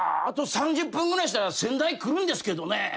あと３０分ぐらいしたら先代来るんですけどね」